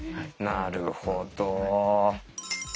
なるほど。